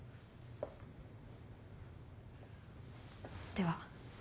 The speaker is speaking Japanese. では。